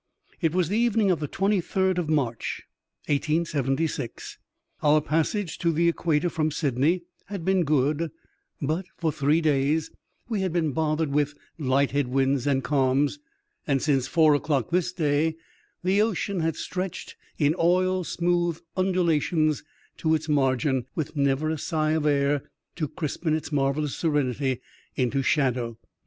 It was the evening of the 23rd of March, 1876. Our passage to the Equator from Sydney had been good, but, for three days, we had been bothered with light head winds and calms, and since four o'clock this day, the ocean had stretched in oil smooth undulations to its margin, with never a sigh of air to crispen its marvellous serenity into shadow.